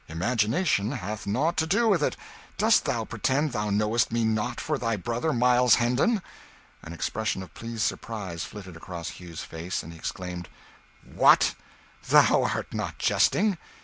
"Imagination hath nought to do with it! Dost thou pretend thou knowest me not for thy brother Miles Hendon?" An expression of pleased surprise flitted across Hugh's face, and he exclaimed "What! thou art not jesting?